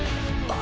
あ。